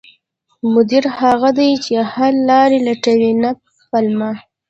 مدیر هغه دی چې حل لارې لټوي، نه پلمه